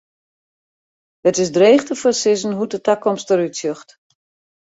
It is dreech te foarsizzen hoe't de takomst der út sjocht.